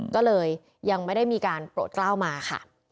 ก็เลยยังไม่ได้มีการโปรดกล้าวมาค่ะ